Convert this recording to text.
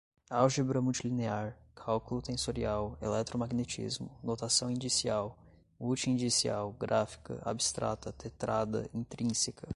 álgebra multilinear, cálculo tensorial, eletromagnetismo, notação indicial, multi-indicial, gráfica, abstrata, tetrada, intrínseca